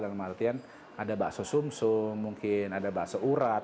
dalam artian ada bakso sumsum mungkin ada bakso urat